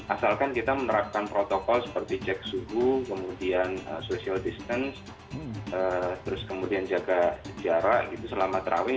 asalkan kita menerapkan protokol seperti cek suhu kemudian social distance terus kemudian jaga jarak gitu selama terawih